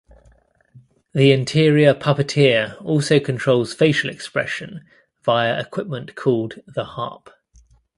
The interior puppeteer also controls facial expression via equipment called "the harp".